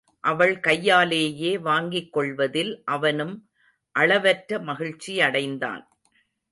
அவள் கையாலேயே வாங்கிக்கொள்வதில் அவனும் அளவற்ற மகிழ்ச்சியடைந்தான்.